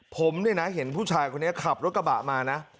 ผมเนี่ยนะเห็นผู้ชายคนนี้ขับรถกระบะมานะ